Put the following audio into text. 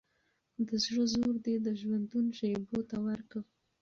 د زړه زور دي د ژوندون شېبو ته وركه